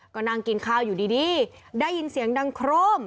ก็นั่งกินข้าวอยู่ดีได้ยินเสียงดังโครม